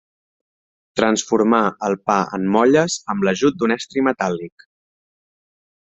Transformar el pa en molles amb l'ajut d'un estri metàl·lic.